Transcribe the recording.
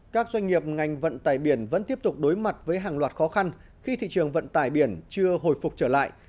các doanh nghiệp ngành vận tải biển vẫn tiếp tục đối mặt với hàng loạt khó khăn khi thị trường vận tải biển chưa hồi phục trở lại